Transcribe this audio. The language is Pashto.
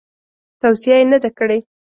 توصیه یې نه ده کړې.